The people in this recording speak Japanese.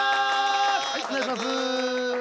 お願いします。